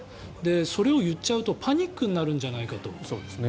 それを言っちゃうとパニックになるんじゃないかと。